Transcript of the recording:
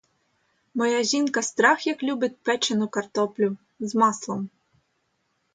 Моя жінка страх як любить печену картоплю, з маслом.